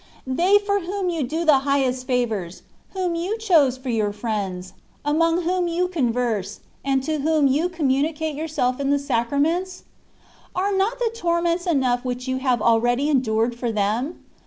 They for whom you do the highest favours, — whom you choose for your friends, — among whom you converse, and to whom you communicate yourself in the Sacraments ?— Are not the torments enough which you have already endured for them?